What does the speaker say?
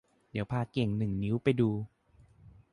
เดี๋ยวพาเก่งหนึ่งนิ้วไปดู